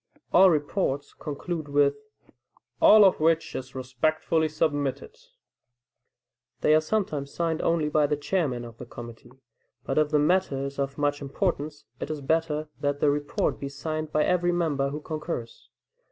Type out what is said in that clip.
All reports conclude with, "All of which is respectfully submitted." They are sometimes signed only by the chairman of the committee, but if the matter is of much importance, it is better that the report be signed by every member who concurs.